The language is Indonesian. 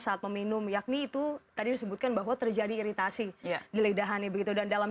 saat meminum yakni itu tadi disebutkan bahwa terjadi iritasi geledahannya begitu dan dalam